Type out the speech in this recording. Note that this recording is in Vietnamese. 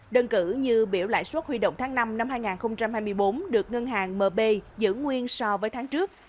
đơn cử như biểu lãi suất huy động tháng năm năm hai nghìn hai mươi bốn được ngân hàng mb giữ nguyên so với tháng trước